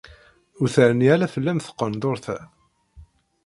Ur terni ara fell-am tqendurt-a.